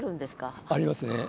ありますね。